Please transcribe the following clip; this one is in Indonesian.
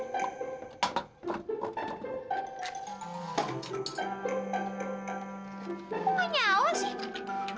kok gak nyawa sih